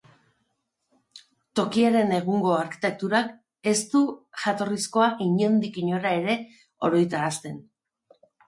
Tokiaren egungo arkitekturak, ez du jatorrizkoa inondik inora ere oroitarazten.